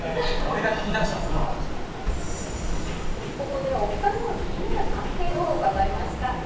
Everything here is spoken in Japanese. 「ここでお二人の気になる関係を伺いました」